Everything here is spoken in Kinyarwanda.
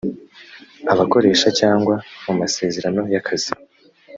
abakoresha cyangwa mu masezerano y akazi